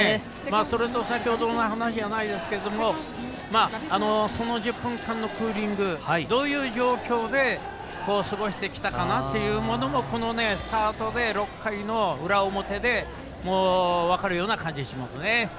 それと先ほどの話じゃないですがその１０分間のクーリングタイムどういう状況で過ごしてきたかなというものもこのスタートで６回の裏、表で分かるような感じがしますね。